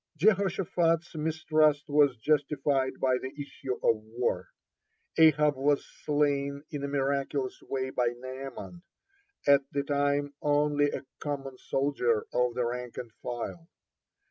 (42) Jehoshaphat's mistrust was justified by the issue of war. Ahab was slain in a miraculous way by Naaman, at the time only a common soldier of the rank and file.